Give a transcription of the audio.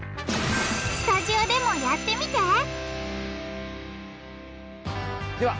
スタジオでもやってみて！